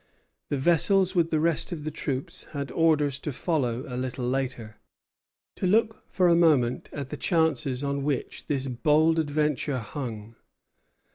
The vessels with the rest of the troops had orders to follow a little later. To look for a moment at the chances on which this bold adventure hung.